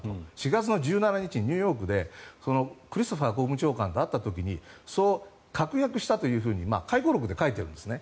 ４月の１７日にニューヨークでクリストファー国務長官と会った時にそう確約したというふうに回顧録で書いているんですね。